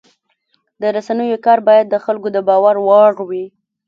د رسنیو کار باید د خلکو د باور وړ وي.